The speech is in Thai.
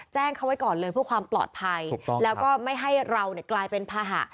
แจ้งเขาไว้ก่อนเลยเพื่อความปลอดภัยแล้วก็ไม่ให้เรากลายเป็นภาหะ